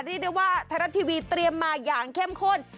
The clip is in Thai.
เรียกได้ว่าไทยรัฐทีวีเตรียมมาอย่างเข้มข้น